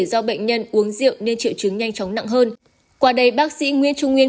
do bệnh nhân uống rượu nên triệu chứng nhanh chóng nặng hơn quả đầy bác sĩ nguyễn trung nguyên